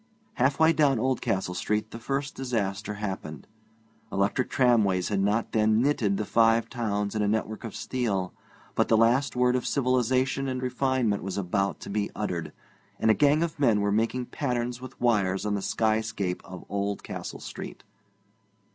Halfway down Oldcastle Street the first disaster happened. Electric tramways had not then knitted the Five Towns in a network of steel; but the last word of civilization and refinement was about to be uttered, and a gang of men were making patterns with wires on the skyscape of Oldcastle Street.